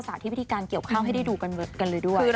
สาธิตวิธีการเกี่ยวข้าวให้ได้ดูกันเลยด้วย